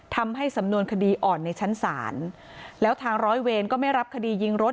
ทำให้สำนวนคดีอ่อนในชั้นศาลแล้วทางร้อยเวรก็ไม่รับคดียิงรถ